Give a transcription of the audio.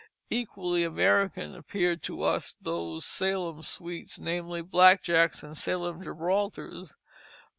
Equally American appear to us those Salem sweets, namely, Black Jacks and Salem Gibraltars.